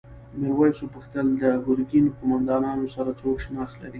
میرويس وپوښتل د ګرګین قوماندانانو سره څوک شناخت لري؟